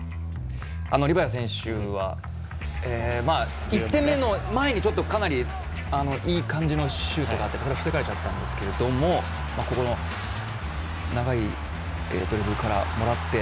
リバヤ選手は１点目の前にかなり、いい感じのシュートがあって防がれちゃったんですけど長いドリブルからもらって。